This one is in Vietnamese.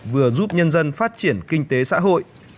vừa giúp nhân dân phát triển kinh tế xã hội